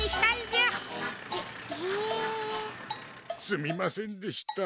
すみませんでした。